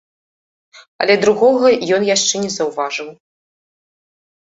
Але другога ён яшчэ не заўважыў.